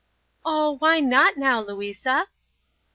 "Oh, why not now, Louisa?"